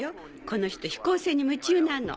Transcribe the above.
この人飛行船に夢中なの。